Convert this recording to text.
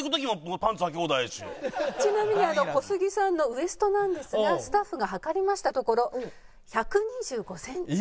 ちなみに小杉さんのウエストなんですがスタッフが測りましたところ１２５センチ。